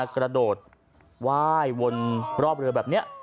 กระโดดไหว้วนรอบเรือแบบนี้